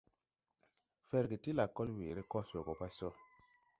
Ferge ti lakol weere kos we go pa so.